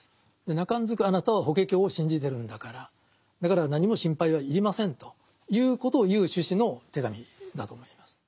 なかんずくあなたは「法華経」を信じてるんだからだから何も心配は要りませんということを言う趣旨の手紙だと思います。